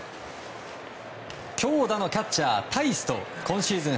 強打のキャッチャー、タイスと今シーズン